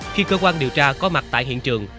khi cơ quan điều tra có mặt tại hiện trường